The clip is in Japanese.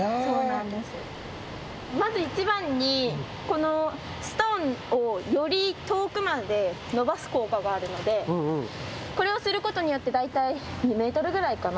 まずいちばんにストーンをより遠くまで伸ばす効果があるのでこれをすることによって大体２メートルくらいかな。